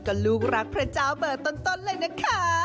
ก็ลูกรักพระเจ้าเบอร์ต้นเลยนะคะ